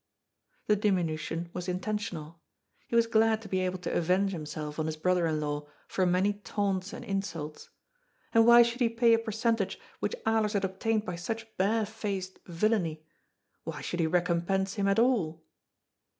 The diminution was intentional. He was glad to be able to avenge himself on his brother in law for many taunts and insults. And why should he pay a percent age which Alers had obtained by such bare faced villainy ? Why should he recompense him at all